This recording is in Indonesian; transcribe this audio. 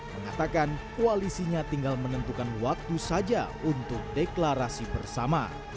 mengatakan koalisinya tinggal menentukan waktu saja untuk deklarasi bersama